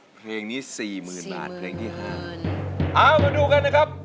เพลงนี้สี่หมื่นบาทเพลงที่ห้าเอามาดูกันนะครับ